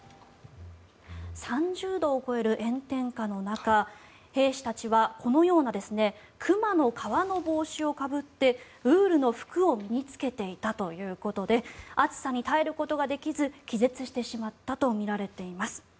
３０度を超える炎天下の中兵士たちはこのような熊の皮の帽子をかぶってウールの服を身に着けていたということで暑さに耐えることができず気絶してしまったとみられています。